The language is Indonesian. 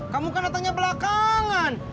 kamu kan datangnya belakangan